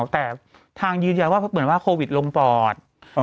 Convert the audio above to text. แต่ทางยืนยันว่าเหมือนว่าโควิดลงปอด